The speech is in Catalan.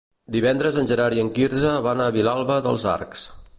Divendres en Gerard i en Quirze van a Vilalba dels Arcs.